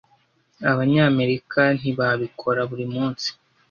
Abanyamerika ntibabikora buri munsi